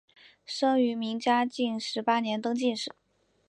生于明嘉靖十八年登进士。